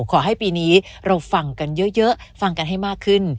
ขอให้ปีนี้เราฟังกันเยอะฟังกันให้มากขึ้น